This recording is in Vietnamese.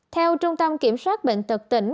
theo trung tâm kiểm soát bệnh tật tỉnh